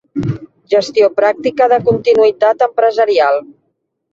Gestió pràctica de continuïtat empresarial.